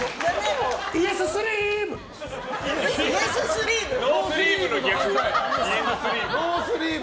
イエススリーブ！